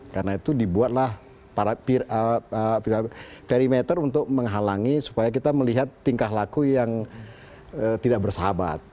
karena itu dibuatlah perimeter untuk menghalangi supaya kita melihat tingkah laku yang tidak bersahabat